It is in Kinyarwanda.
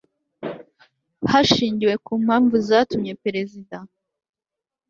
hashingiwe ku mpamvu zatumye perezida